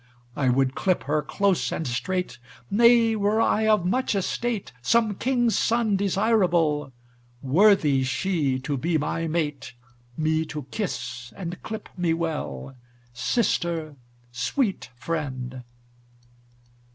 I would clip her close and strait, Nay, were I of much estate, Some king's son desirable, Worthy she to be my mate, Me to kiss and clip me well, Sister, sweet friend!"